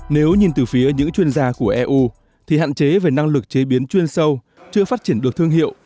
nếu nhìn từ phía những chuyên gia của eu thì hạn chế về năng lực chế biến chuyên sâu chưa phát triển được thương hiệu